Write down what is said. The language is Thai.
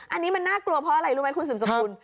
อันนี้มันน่ากลัวเพราะอะไรรู้ไหมคุณสืบสกุล